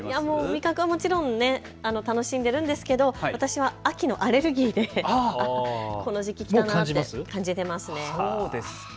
味覚はもちろん楽しんでいるんですけど私は秋を、アレルギーでこの時期が来たなって感じます。